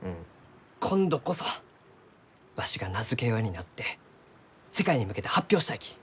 今度こそわしが名付け親になって世界に向けて発表したいき。